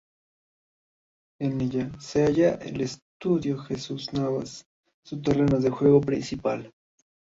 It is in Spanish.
En ella se halla el Estadio Jesús Navas su terreno de juego principal.